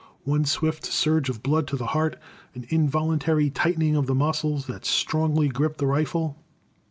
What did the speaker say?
One swift surge of blood to the heart, an involuntary tightening of the muscles that strongly gripped the rifle.